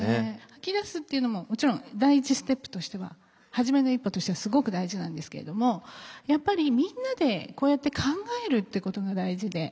吐き出すっていうのももちろん第一ステップとしては初めの一歩としてはすごく大事なんですけれどもやっぱりみんなでこうやって考えるっていうことが大事で。